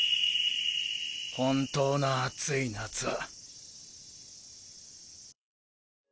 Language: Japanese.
本当の暑い夏は。